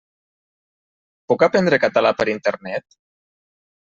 Puc aprendre català per Internet?